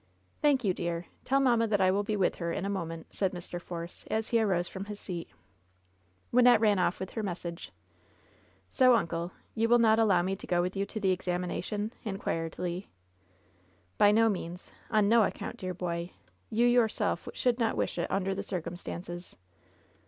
"Thank you, dear. Tell mamma that I will be with her in a moment," said Mr. Force, as he arose from his seat. Wynnette ran off with her message. "So, uncle, you will not allow me to go with you to the examination ?" inquired Le. "By no means 1 On no account, dear boy ! You your self should not wish it under the circumstances."